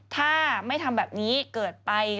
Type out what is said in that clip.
ถ้าไม่ทำแบบนี้เกิดไป